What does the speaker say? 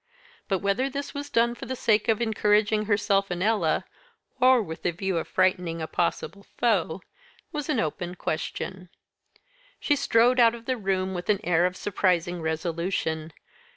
But whether this was done for the sake of encouraging herself and Ella, or with the view of frightening a possible foe, was an open question. She strode out of the room with an air of surprising resolution.